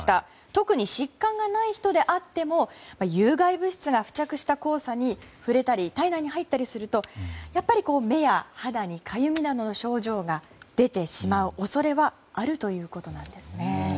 特に疾患がない人であっても有害物質が付着した黄砂に触れたり体内に入ったりするとやっぱり目や肌にかゆみなどの症状が出てしまう恐れはあるということなんですね。